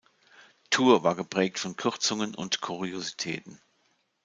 Tour war geprägt von Kürzungen und Kuriositäten.